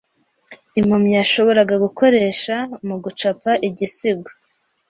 impumyi yashoboraga gukoresha mugucapa igisigo